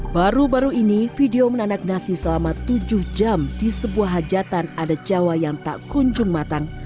baru baru ini video menanak nasi selama tujuh jam di sebuah hajatan adat jawa yang tak kunjung matang